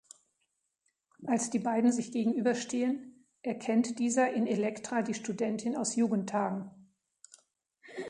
Als die beiden sich gegenüberstehen, erkennt dieser in Elektra die Studentin aus Jugendtagen.